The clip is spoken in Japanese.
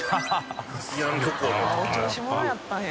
蹈辧次お調子者やったんや。